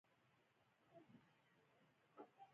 د ګمرکي تعرفو معافیت شته؟